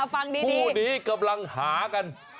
พูดีกำลังหากัน